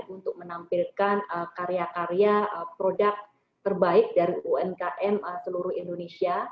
untuk menampilkan karya karya produk terbaik dari umkm seluruh indonesia